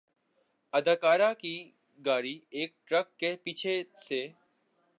اداکارہ کی گاڑی ایک ٹرک سے پیچھے سے